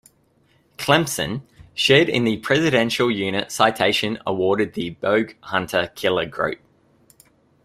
"Clemson" shared in the Presidential Unit Citation awarded the "Bogue" hunter-killer group.